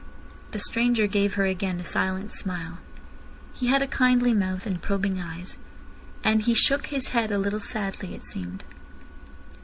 The stranger gave her again a silent smile. He had a kindly mouth and probing eyes. And he shook his head a little sadly, it seemed.